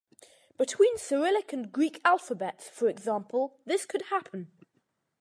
Between Cyrillic and Greek alphabets, for example, this could happen.